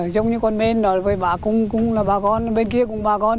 giống như con mên nói với bà cũng là bà con bên kia cũng là bà con